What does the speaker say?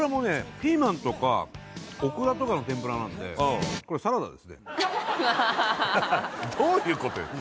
ピーマンとかオクラとかの天ぷらなんでハハハハどういうことよ？